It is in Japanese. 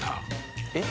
えっ？